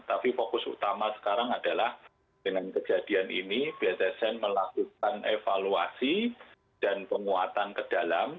tapi fokus utama sekarang adalah dengan kejadian ini bssn melakukan evaluasi dan penguatan ke dalam